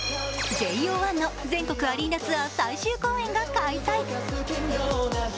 ＪＯ１の全国アリーナツアー最終公演が開催。